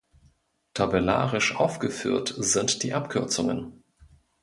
Tabellarisch aufgeführt sind die Abkürzungen.